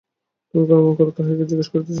তুমি কি অনুমান কর, তাহাই জিজ্ঞাসা করিতেছি।